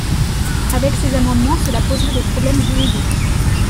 Avec ces amendements, cela poserait des problèmes juridiques.